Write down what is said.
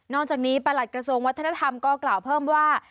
จากนี้ประหลัดกระทรวงวัฒนธรรมก็กล่าวเพิ่มว่า